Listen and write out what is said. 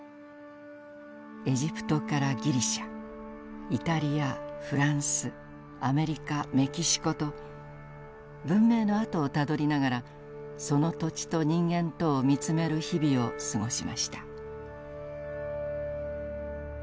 エジプトからギリシャイタリアフランスアメリカメキシコと文明のあとをたどりながらその土地と人間とを見つめる日々を過ごしました。